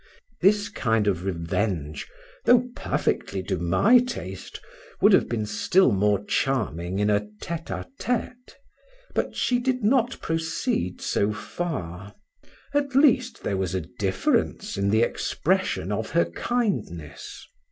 This kind of revenge, though perfectly to my taste, would have been still more charming in a 'tete a tete', but she did not proceed so far; at least, there was a difference in the expression of her kindness.